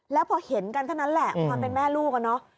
แล้วพอเห็นกันเท่านั้นแหละความเป็นแม่ลูกอะเนาะ